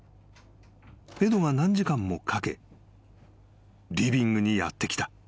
［エドが何時間もかけリビングにやって来た］